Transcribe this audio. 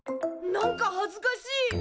なんかはずかしい！